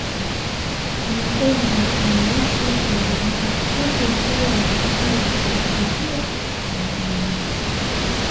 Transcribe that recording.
kimapunju wanaishi kwa ujamaa huku wakiwa na maumbile ya kuvutia kwa watalii